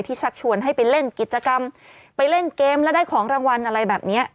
ชักชวนให้ไปเล่นกิจกรรมไปเล่นเกมแล้วได้ของรางวัลอะไรแบบนี้